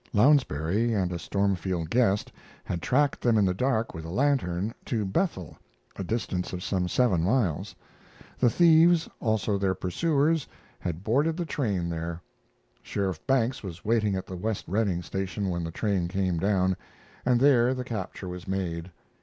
Lounsbury and a Stormfield guest had tracked them in the dark with a lantern to Bethel, a distance of some seven miles. The thieves, also their pursuers, had boarded the train there. Sheriff Banks was waiting at the West Redding station when the train came down, and there the capture was made.